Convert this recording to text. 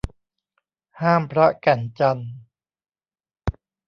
ห้ามพระแก่นจันทน์